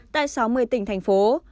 tại sáu mươi tỉnh thành phố